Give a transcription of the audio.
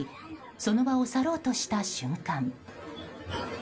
その場を去ろうとした瞬間。